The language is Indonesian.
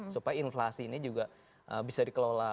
supaya inflasi ini juga bisa dikelola